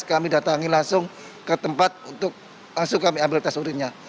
jadi kami datang langsung ke tempat untuk langsung kami ambil tes urinnya